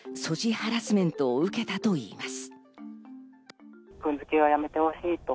ハラスメントを受けたといいます。